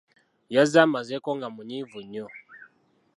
Yazze amazeeko nga munyiivu nnyo.